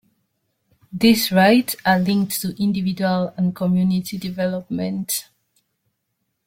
These rites are linked to individual and community development.